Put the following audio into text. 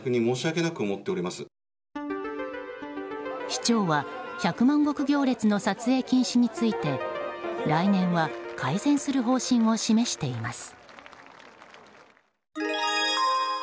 市長は百万石行列の撮影禁止について来年は改善する方針を示しています。